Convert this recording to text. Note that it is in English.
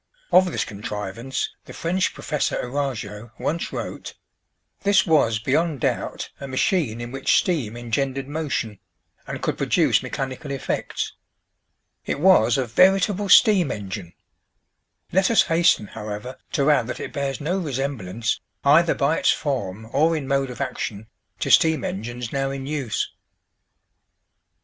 Of this contrivance the French Professor Arago once wrote: "This was, beyond doubt, a machine in which steam engendered motion, and could produce mechanical effects. It was a veritable steam engine! Let us hasten, however, to add that it bears no resemblance, either by its form or in mode of action, to steam engines now in use."